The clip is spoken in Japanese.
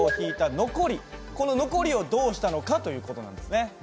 この残りをどうしたのかという事なんですね。